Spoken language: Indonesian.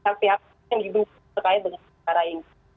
mau dikaitkan dengan perkara ini